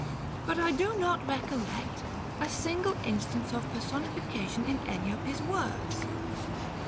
But I do not recollect a single instance of personification in any of His words.